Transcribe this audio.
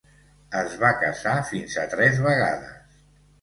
Es va casar fins a tres vegades.